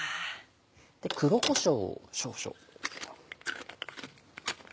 黒こしょうを少々。